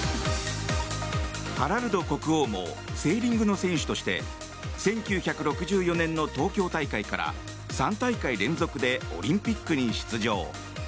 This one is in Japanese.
ハラルド国王もセーリングの選手として１９６４年の東京大会から３大会連続でオリンピックに出場。